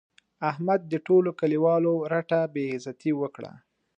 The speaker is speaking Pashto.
احمد د ټولو کلیوالو رټه بې عزتي وکړه.